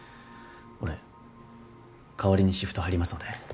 俺代わりにシフト入りますので。